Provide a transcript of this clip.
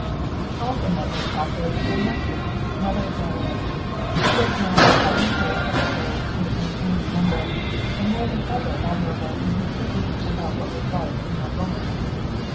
He also met at the Crawfords' their nephew Nevill Bellairs, who was now parliamentary secretary to an eminent member, and more than ever admirable in his certainty about what was right and what wrong.